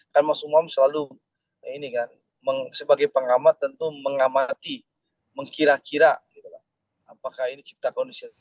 karena mas umam selalu ini kan sebagai pengamat tentu mengamati mengkira kira apakah ini cipta kondisi